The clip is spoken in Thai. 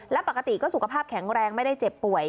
และปกติก็สุขภาพแข็งแรงไม่ได้เจ็บป่วย